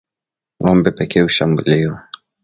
Ngombe pekee hushambuliwa